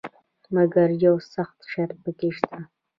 مګر یو سخت شرط پکې شته.